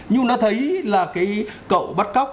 nhưng nó thấy là cái cậu bắt cóc